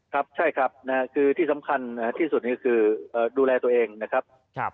ครับใช่ครับคือที่สำคัญที่สุดก็คือดูแลตัวเองนะครับ